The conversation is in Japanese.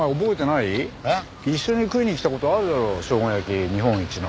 一緒に食いにきた事あるだろしょうが焼き日本一の。